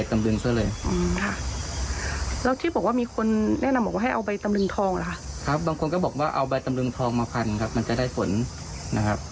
บางคนก็บอกว่าเอาใบตำลึงทองมาพันครับมันจะได้ผลนะครับ